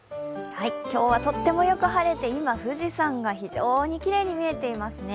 今日はとってもよく晴れて、今、富士山が非常にきれいに見えていますね。